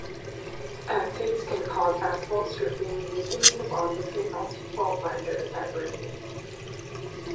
Acetates can cause asphalt stripping, weakening the bond between asphalt binder and aggregate.